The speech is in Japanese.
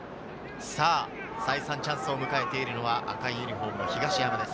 再三チャンスを迎えているのは赤いユニホームの東山です。